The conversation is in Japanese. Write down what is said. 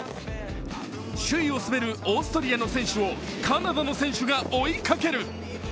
首位を滑るオーストリアの選手をカナダの選手が追いかける。